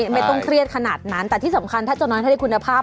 ไม่ต้องเครียดขนาดนั้นแต่ที่สำคัญถ้าเจ้าน้อยถ้าได้คุณภาพ